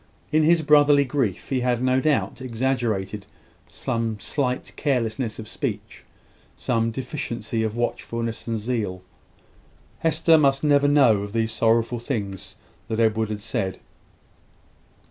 In his brotherly grief he had no doubt exaggerated some slight carelessness of speech, some deficiency of watchfulness and zeal. Hester must never know of these sorrowful things that Edward had said.